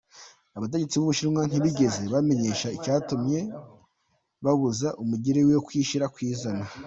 Abategetsi b'Ubushinwa ntibigeze bamenyesha icatumye babuza umugire wiwe kwishira akizana.